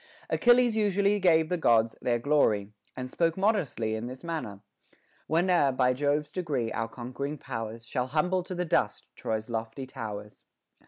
Achilles usually gave the Gods their glory, and spoke modestly in this manner: Whene'er, by Jove's decree, our conquering powers Shall humble to the dust Troy's lofty towers.